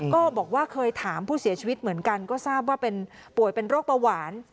ก็บอกว่าเคยถามผู้เสียชีวิตเหมือนกันก็ทราบว่าเป็นป่วยเป็นโรคเบาหวาน